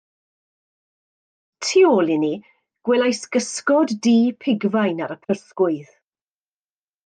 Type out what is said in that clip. Tu ôl i ni gwelais gysgod du pigfain ar y prysgwydd.